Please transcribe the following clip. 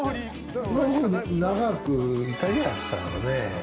僕、長くイタリアンやってたからね。